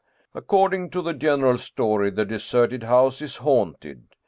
According to the general story the deserted house is haunted.